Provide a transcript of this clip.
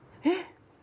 えっ！